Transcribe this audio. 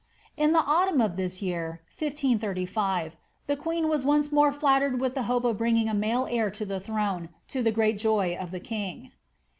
In the aotamn of this year, 1536, the queen was once more flattered with the hope of bringing a male heir to the throne, to the great joy of the king.